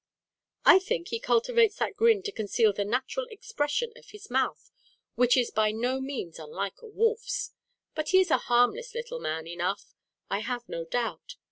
"I think he cultivates that grin to conceal the natural expression of his mouth which is by no means unlike a wolf's. But he is a harmless little man enough, I have no doubt.